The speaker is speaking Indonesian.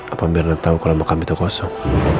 apa mirna tau kalau makam itu kosong